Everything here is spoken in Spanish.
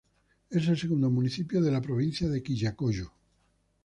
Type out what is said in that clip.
Es el segundo municipio de la provincia de Quillacollo.